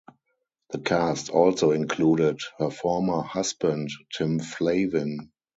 The cast also included her former husband Tim Flavin.